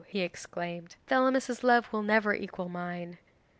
he exclaimed; "Thelamis's love will never equal mine."